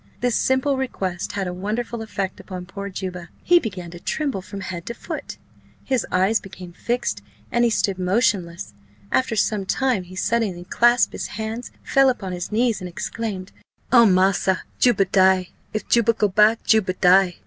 This simple request had a wonderful effect upon poor Juba; he began to tremble from head to foot, his eyes became fixed, and he stood motionless; after some time, he suddenly clasped his hands, fell upon his knees, and exclaimed: "Oh, massa, Juba die! If Juba go back, Juba die!"